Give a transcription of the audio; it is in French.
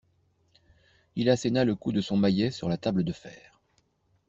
Il asséna le coup de son maillet sur la table de fer.